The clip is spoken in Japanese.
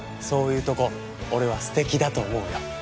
そういうとこ俺は素敵だと思うよ。